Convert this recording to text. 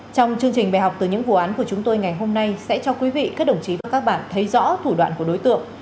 trong chương trình bài học từ những vụ án của chúng tôi ngày hôm nay sẽ cho quý vị các đồng chí và các bạn thấy rõ thủ đoạn của đối tượng